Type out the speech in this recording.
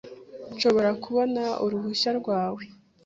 Nshobora kubona uruhushya rwawe?